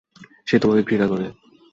সে তোমাকে ঘৃণা করে।